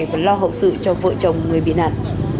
và lo hậu sự cho vợ chồng người bị nạn